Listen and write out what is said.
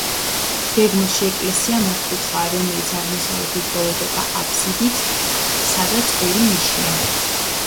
გეგმაში ეკლესია მართკუთხაა, რომელიც აღმოსავლეთით ბოლოვდება აფსიდით, სადაც ორი ნიშია.